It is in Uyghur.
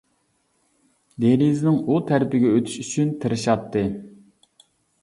دېرىزىنىڭ ئۇ تەرىپىگە ئۆتۈش ئۈچۈن تىرىشاتتى.